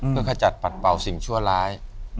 เพื่อขจัดปัดเบาสิ่งชั่วร้าย